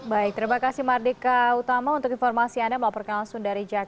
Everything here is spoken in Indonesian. baik terima kasih mardika utama untuk informasi anda melaporkan langsung dari jakarta